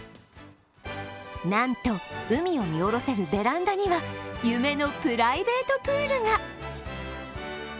なんと、海を見下ろせるベランダには夢のプライベートプールが。